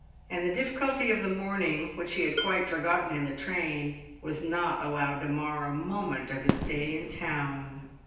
And the difficulty of the morning, which he had quite forgotten in the train, was not allowed to mar a moment of his day in town.